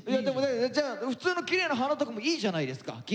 でもねじゃあ普通のきれいな花とかもいいじゃないですか。